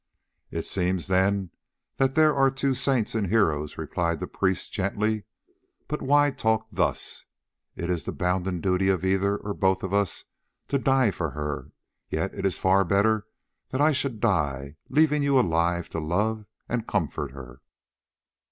"It seems then that there are two saints and heroes," replied the priest gently. "But why talk thus? It is the bounden duty of either or both of us to die for her, yet it is far better that I should die leaving you alive to love and comfort her."